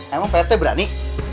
emang pak rt berani